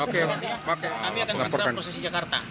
kami akan segera posisi jakarta